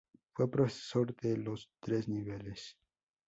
Fue profesor de los tres niveles.